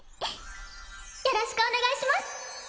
よろしくお願いします